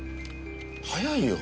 早いよ。